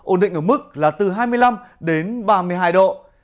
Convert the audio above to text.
ổn định ở mức là từ hai mươi năm đến ba mươi hai độ